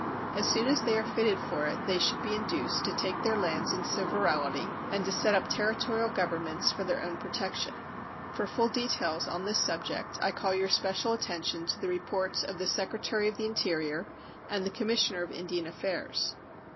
As soon as they are fitted for it they should be induced to take their lands in severalty and to set up Territorial governments for their own protection. For full details on this subject I call your special attention to the reports of the Secretary of the Interior and the Commissioner of Indian Affairs.